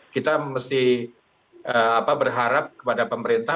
kita mesti berharap kepada pemerintah